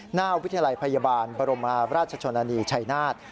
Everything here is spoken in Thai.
หน้าวิทยาลัยพยาบาลบรมราชชนนานีชัยนาฏ